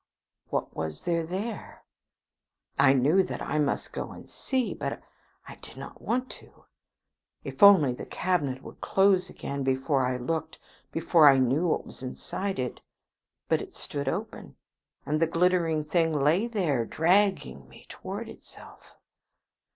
What was there there? I knew that I must go and see, but I did not want to. If only the cabinet would close again before I looked, before I knew what was inside it. But it stood open, and the glittering thing lay there, dragging me towards itself.